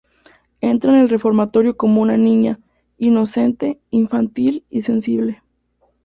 Entra en el reformatorio como una niña, inocente, infantil y sensible.